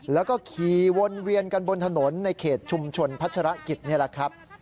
แล้วก็ขี่วนเวียนกันบนถนนในเขตชุมชนพัชรกิจนี่แหละครับ